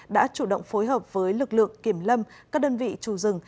đã chủ động phối hợp với lực lượng kiểm lâm các đơn vị trù rừng